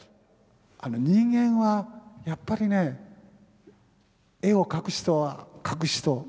人間はやっぱりね絵を描く人は描く人